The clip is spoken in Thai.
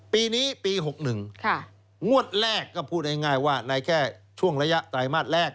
ปีนี้ปี๖๑งวดแรกก็พูดง่ายว่าในแค่ช่วงระยะไตรมาสแรก